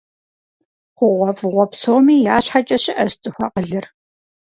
ХъугъуэфӀыгъуэ псоми я щхьэкӀэ щыӀэщ цӀыху акъылыр.